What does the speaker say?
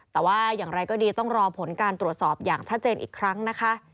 แต่ว่าอย่างไรก็ดีต้องรอผลการตรวจสอบอย่างชัดเจนอีกครั้งนะคะ